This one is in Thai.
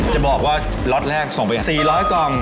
จะบอกว่าล็อตแรกส่งไป๔๐๐กล่อง